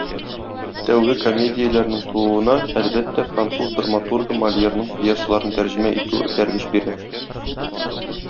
Тәүге комедияләрнең тууына, әлбәттә, француз драматургы Мольерның пьесаларын тәрҗемә итү этәргеч бирә.